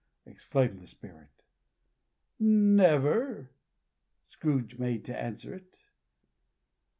exclaimed the Spirit. "Never," Scrooge made answer to it.